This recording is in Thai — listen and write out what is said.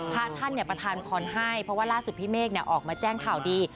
พระท่านประธานพรให้เพราะว่าล่าสุดพี่เมฆออกมาแจ้งข่าวดี